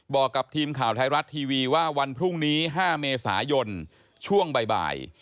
บอกกับทีมข่าวไทยรัฐทีวีว่าวันพรุ่งนี้๕เมษายนช่วงบ่าย